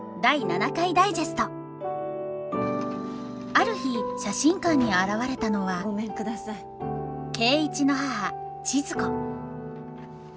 ある日写真館に現れたのは圭一の母千鶴子。